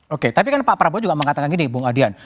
oke tapi kan pak prabowo juga mengatakan gini bung adian